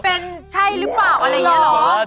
เป็นใช่หรือเปล่าอะไรอย่างนี้เหรอ